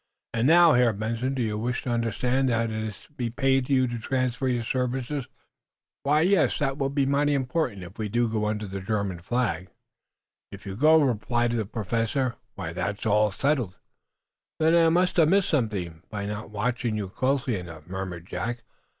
And now, Herr Benson, do you wish to understand what is to be paid to you to transfer your services to our German flag?" "Why, yes; that will be mighty important if we go under the German flag." "If you go?" repeated the Professor. "Why, that is all settled!" "Then I must have missed something, by not watching you closely enough," murmured Jack.